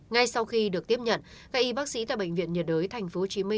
ngay sau khi được tiếp nhận các y bác sĩ tại bệnh viện nhiệt đới tp hcm